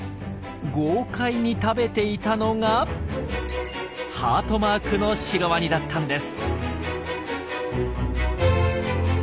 豪快に食べていたのがハートマークのシロワニだったんです。